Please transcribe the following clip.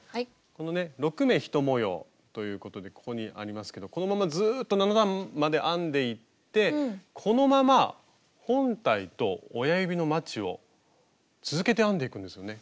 このね６目１模様ということでここにありますけどこのままずっと７段まで編んでいってこのまま本体と親指のまちを続けて編んでいくんですよね。